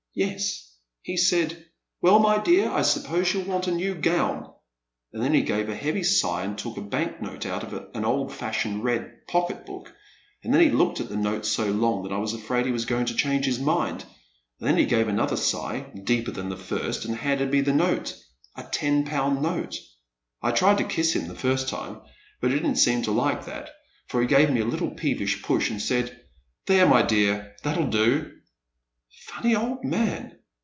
" Yes. He said, 'Well, my dear, I suppose you'll want a new gown ;' and then he gave a heavy sigh, and took a bank note out of an old fashioned red pocket book, and then he looked at the note so long that I was afi'aid he was going to change his mind, and then he gave another sigh, deeper than the first, and handed me the note — a ten pound note. I tried to kiss him the first time, but he didn't seem to like that, for he gave me a little peevish push, and said, ' There, my dear, that '11 do.' "" Funny old man